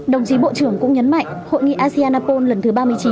đồng chí bộ trưởng cũng nhấn mạnh hội nghị asean apol lần thứ ba mươi chín